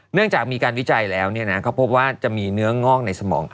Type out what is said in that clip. เนื่องจากมีการวิจัยแล้วเขาพบว่าจะมีเนื้องอกในสมอง